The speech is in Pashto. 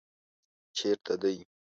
چېرته دی؟